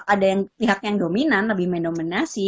ada yang pihak yang dominan lebih mendominasi